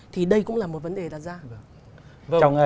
thì đây cũng là một vấn đề đặt ra